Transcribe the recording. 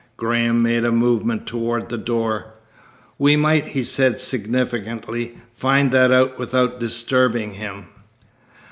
Graham made a movement toward the door. "We might," he said significantly, "find that out without disturbing him."